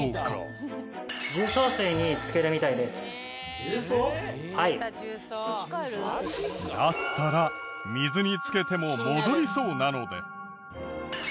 だったら水に漬けても戻りそうなので。